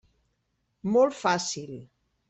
Molt fàcil.